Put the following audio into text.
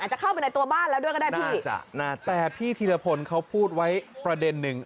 จะเข้าไปในตัวบ้านแล้วด้วยก็ได้พี่แต่พี่ธีรพลเขาพูดไว้ประเด็นหนึ่ง